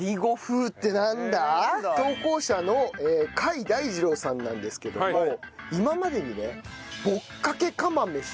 投稿者の甲斐大二郎さんなんですけども今までにねぼっかけ釜飯。